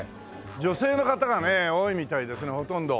女性の方がね多いみたいですねほとんど。